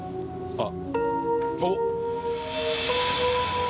あっ！